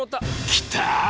きた！